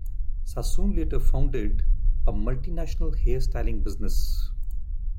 Sassoon later founded a multinational hair styling business.